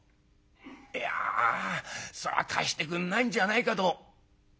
「いやそれは貸してくんないんじゃないかと」。